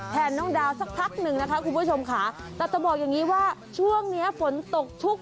น้องดาวสักพักหนึ่งนะคะคุณผู้ชมค่ะแต่จะบอกอย่างนี้ว่าช่วงนี้ฝนตกชุก